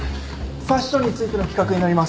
ファッションについての企画になります。